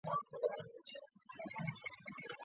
后于嘉靖三十九年时遭到裁撤。